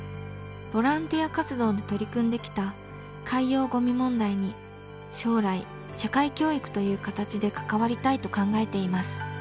ボランティア活動で取り組んできた海洋ゴミ問題に将来社会教育という形で関わりたいと考えています。